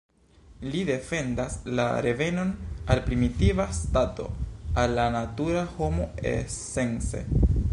Li defendas la revenon al primitiva stato, al la natura homo esence.